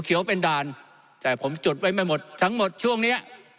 เขียวเป็นด่านแต่ผมจดไว้ไม่หมดทั้งหมดช่วงเนี้ย